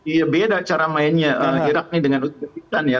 iya beda cara mainnya irak ini dengan uzbekistan ya